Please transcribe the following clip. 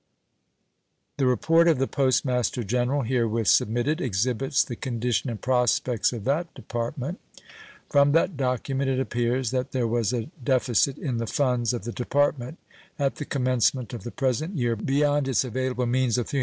The report of the Post Master General herewith submitted exhibits the condition and prospects of that Department. From that document it appears that there was a deficit in the funds of the Department at the commencement of the present year beyond its available means of $315,599.